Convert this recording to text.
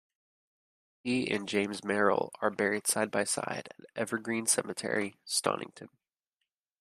He and James Merrill are buried side by side at Evergreen Cemetery, Stonington.